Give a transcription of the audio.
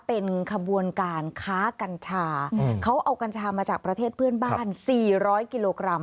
เป็นขบวนการค้ากัญชาเขาเอากัญชามาจากประเทศเพื่อนบ้าน๔๐๐กิโลกรัม